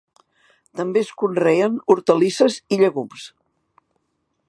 També es conreen hortalisses i llegums.